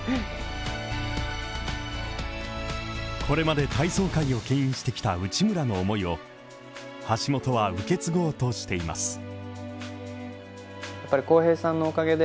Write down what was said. これまで体操界を牽引してきた内村の思いを橋本は受け継ごうとしています。